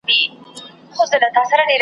تا له تخم څخه جوړکړله تارونه .